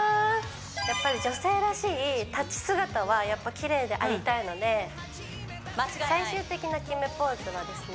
やっぱり女性らしい立ち姿はやっぱきれいでありたいので間違いない最終的な決めポーズはですね